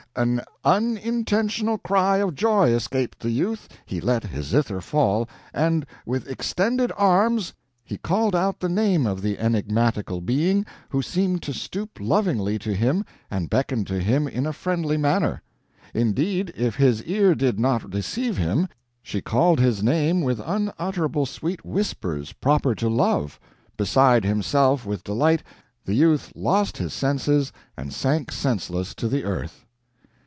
"An unintentional cry of Joy escaped the Youth, he let his Zither fall, and with extended arms he called out the name of the enigmatical Being, who seemed to stoop lovingly to him and beckon to him in a friendly manner; indeed, if his ear did not deceive him, she called his name with unutterable sweet Whispers, proper to love. Beside himself with delight the youth lost his Senses and sank senseless to the earth."